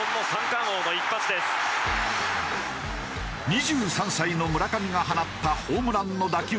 ２３歳の村上が放ったホームランの打球速度は。